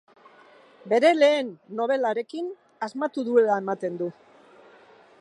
Bere lehen nobelarekin asmatu duela ematen du.